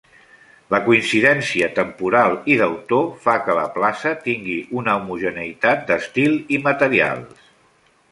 La coincidència temporal i d'autor fa que la plaça tingui una homogeneïtat d'estil i materials.